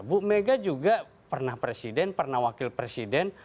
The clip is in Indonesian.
bu mega juga pernah presiden pernah wakil presiden